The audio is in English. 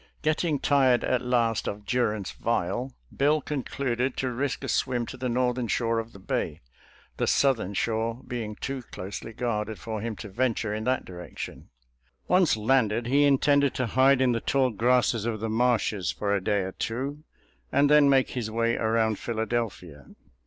Getting tired at last of 'f durance vile," Bill concluded to risk a swim to the northern shore of the bay, the southern shore being too closely guarded for him to venture in . that ^ direction. Once landed,! he intended to hide in the tall, grasses of th& marshes for a day or two, and then make his way around. Philadelphia.